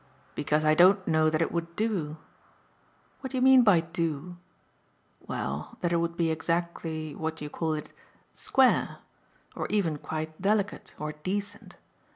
"Because I don't know that it would do." "What do you mean by 'do'?" "Well, that it would be exactly what do you call it? 'square.' Or even quite delicate or decent.